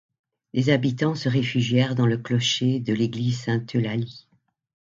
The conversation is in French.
Des habitants se réfugièrent dans le clocher de l'église Sainte-Eulalie.